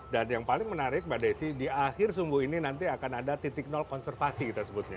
dan yang paling menarik mbak desi di akhir sumbu ini nanti akan ada titik konservasi kita sebutnya